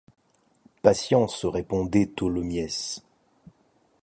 Patience, répondait Tholomyès.